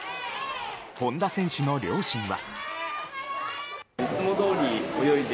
本多選手の両親は。